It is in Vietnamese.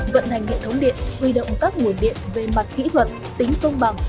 vận hành hệ thống điện huy động các nguồn điện về mặt kỹ thuật tính công bằng